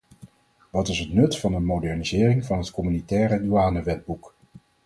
Wat is het nut van een modernisering van het communautaire douanewetboek?